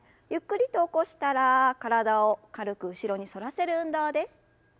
ゆっくりと起こしたら体を軽く後ろに反らせる運動です。